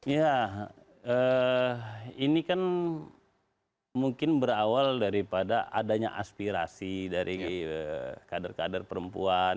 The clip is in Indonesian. ya ini kan mungkin berawal daripada adanya aspirasi dari kader kader perempuan